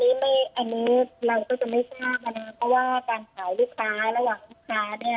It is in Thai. เพราะว่าการขายลูกค้าระหว่างลูกค้า